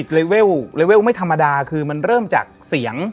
เลเวลเลเวลไม่ธรรมดาคือมันเริ่มจากเสียง